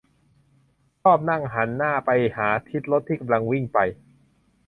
- ชอบนั่งหันหน้าไปหาทิศที่รถกำลังวิ่งไป